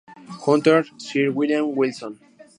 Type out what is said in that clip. Hunter, Sir William Wilson.